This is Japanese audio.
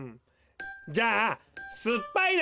じゃあすっぱいの。